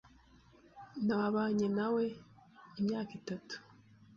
Nawebanye nawe imyaka itatu.